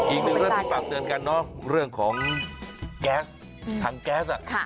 อีกหนึ่งเราจะฝากเตือนกันเนอะเรื่องของแก๊สถังแก๊สอ่ะค่ะ